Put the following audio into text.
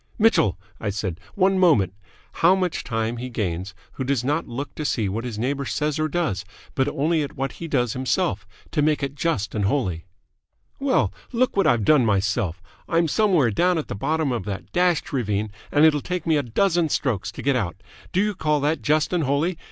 "Mitchell," I said, "one moment. How much time he gains who does not look to see what his neighbour says or does, but only at what he does himself, to make it just and holy." "Well, look what I've done myself! I'm somewhere down at the bottom of that dashed ravine, and it'll take me a dozen strokes to get out. Do you call that just and holy?